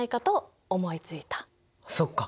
そっか。